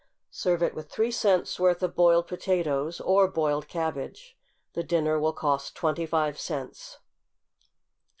Serve it with three cents' worth of boiled potatoes, or boiled cabbage. The dinner will cost twenty five cents.